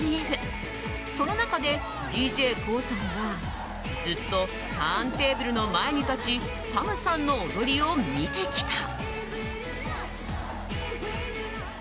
その中でＤＪＫＯＯさんはずっとターンテーブルの前に立ちＳＡＭさんの踊りを見てきた。